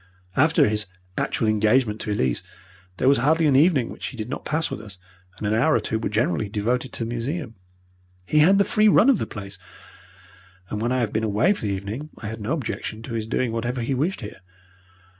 After his actual engagement to Elise, there was hardly an evening which he did not pass with us, and an hour or two were generally devoted to the museum. He had the free run of the place, and when I have been away for the evening I had no objection to his doing whatever he wished here.